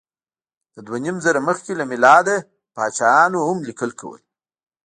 د دوهنیمزره مخکې له میلاد نه پاچاهانو هم لیکل کول.